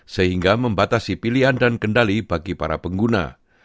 sehingga membatasi pilihan dan kendali bagi para pengguna